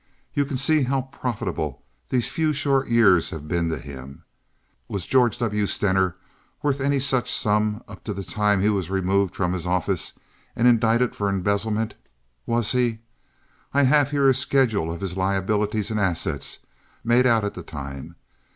You can see how profitable these few short years have been to him. Was George W. Stener worth any such sum up to the time he was removed from his office and indicted for embezzlement? Was he? I have here a schedule of his liabilities and assets made out at the time.